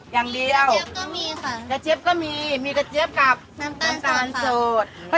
อย่างเดียวมีกระเจ๊บก็มีค่ะมีกระเจ๊บกับน้ำตาลสดค่ะ